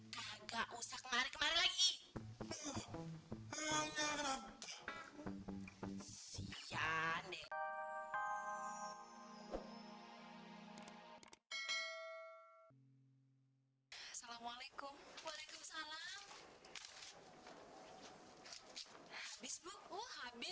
kagak usah kemari kemari lagi